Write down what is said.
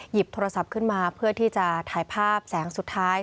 หยิบโทรศัพท์ขึ้นมาเพื่อที่จะถ่ายภาพแสงสุดท้าย